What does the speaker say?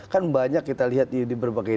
kan banyak kita lihat di berbagai